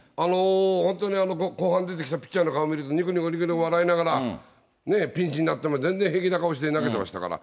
本当に後半出てきたピッチャーの顔見ると、にこにこにこにこ笑いながら、ピンチになっても全然平気な顔して投げてましたから。